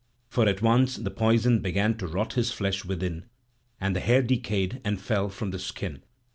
For at once the poison began to rot his flesh within, and the hair decayed and fell from the skin.